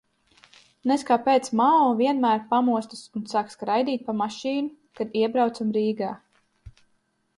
Nez kāpēc Mao vienmēr pamostas un sāk skraidīt pa mašīnu, kad iebraucam Rīgā?